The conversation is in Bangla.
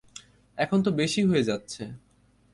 এখন তো বেশি হয়ে যাচ্ছে!